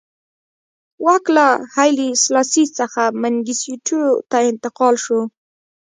واک له هایلي سلاسي څخه منګیسټیو ته انتقال شو.